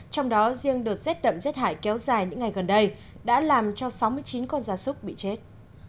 trong đó riêng đợt rét đậm rét hại kéo dài những ngày gần đây đã làm cho sáu mươi chín con gia súc bị chết